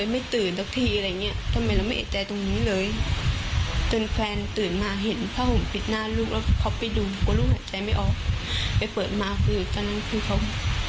ไปเปิดมาคือตอนนั้นคือเขาไม่อยู่แล้ว